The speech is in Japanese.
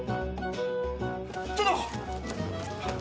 殿！